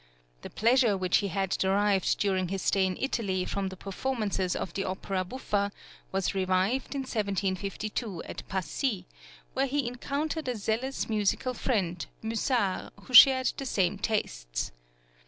" The pleasure which he had derived during his stay in Italy from the performances of the opera buffa was revived in 1752 at Passy, where he encountered a zealous musical friend, Musard, who shared the same tastes.